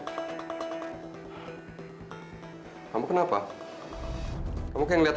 siapa yang larang saya untuk masuk ke ruangan saya sendiri ferry